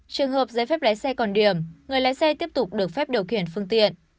trường hợp giấy phép lái xe còn điểm người lái xe tiếp tục được phép điều khiển phương tiện